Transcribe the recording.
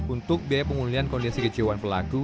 untuk biaya pemulihan kondisi kejiwaan pelaku